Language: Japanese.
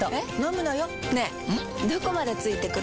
どこまで付いてくる？